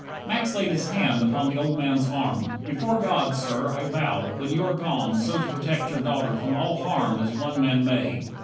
17 Max laid his hand upon the old man's arm, "Before God, sir, I vow, when you are gone, So to protect your daughter from all harm As one man may."